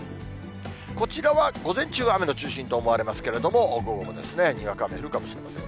こちらは午前中は雨の中心と思われますけれども、午後もにわか雨降るかもしれません。